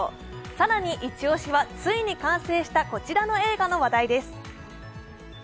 更にイチ押しはついに完成したこちらの映画の話題です。